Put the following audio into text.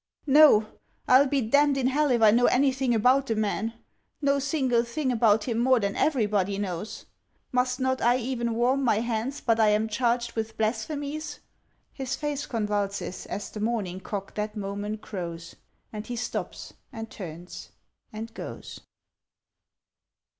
"No! I'll be damned in hell if I know anything about the man! No single thing about him more than everybody knows! Must not I even warm my hands but I am charged with blasphemies?" ... —His face convulses as the morning cock that moment crows, And he stops, and turns, and goes.